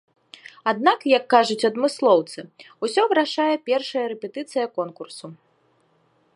Аднак, як кажуць адмыслоўцы, усё вырашае першая рэпетыцыя конкурсу.